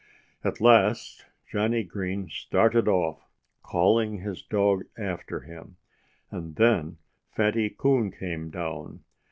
At last Johnnie Green started off, calling his dog after him. And then Fatty Coon came down.